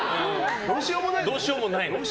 どうしようもない。